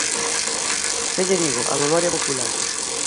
Xa lle digo, a memoria popular.